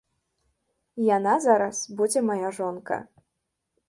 Яна зараз будзе мая жонка.